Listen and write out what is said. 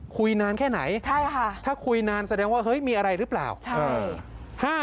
คุยนานแค่ไหนถ้าคุยนานแสดงว่ามีอะไรรึเปล่าใช่